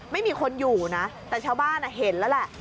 ไม่มีคนอยู่นะแต่ชาวบ้านเห็นแล้วแหละ